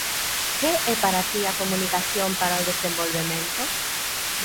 Que é para ti a comunicación para o desenvolvemento?